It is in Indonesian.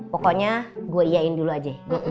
pokoknya gue iya in dulu aja